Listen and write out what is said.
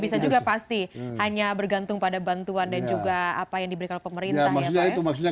bisa juga pasti hanya bergantung pada bantuan dan juga apa yang diberikan pemerintah ya pak ya